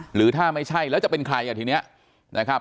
หรือถ้าไม่ใช่แล้วจะเป็นใครอ่ะทีนี้นะครับ